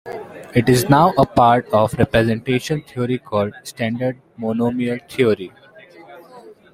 It is now a part of representation theory called "standard monomial theory".